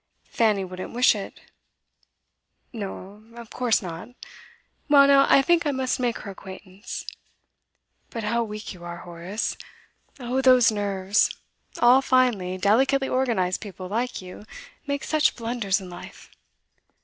'Fanny wouldn't wish it.' 'No, of course not, well now, I think I must make her acquaintance. But how weak you are, Horace! Oh, those nerves! All finely, delicately organised people, like you, make such blunders in life.